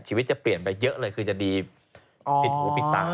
ชีวิตจะเปลี่ยนไปเยอะเลยคือจะดีปิดหูปิดตา